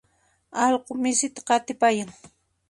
Allqu misita qatipayan.